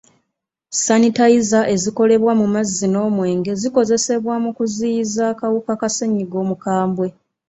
Sanitayiza ezikolebwa mu mazzi n'omwenge zikozesebwa mu kuziyiza akawuka ka ssenyiga omukambwe.